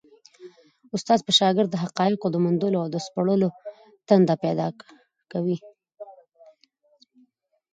استاد په شاګرد کي د حقایقو د موندلو او سپړلو تنده پیدا کوي.